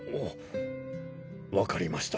分かりました。